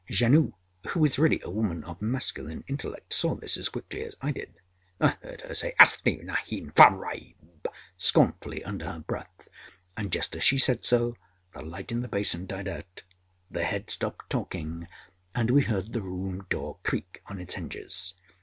Janoo, who is really a woman of masculine intellect, saw this as quickly as I did. I heard her say âAsli nahin! Fareib!â scornfully under her breath; and just as she said so, the light in the basin died out, the head stopped talking, and we heard the room door creak on its hinges.